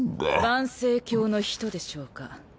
盤星教の人でしょうか？